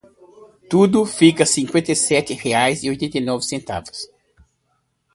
Tudo fica cinquenta e sete reais e oitenta e nove centavos.